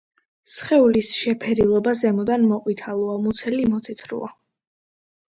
სხეულის შეფერილობა ზემოდან მოყვითალოა, მუცელი მოთეთროა.